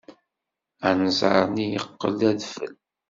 Anẓar-nni yeqqel d adfel.